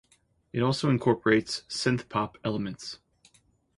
It also incorporates synthpop elements.